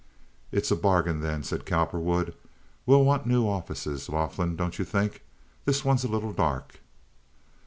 "It's a bargain, then," said Cowperwood. "We'll want new offices, Laughlin, don't you think? This one's a little dark."